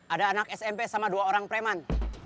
ada anak smp sama dua orang preman